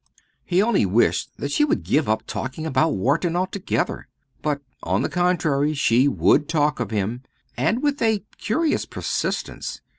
He only wished that she would give up talking about Wharton altogether. But, on the contrary, she would talk of him and with a curious persistence.